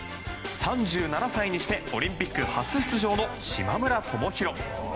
３７歳にしてオリンピック初出場の島村智博。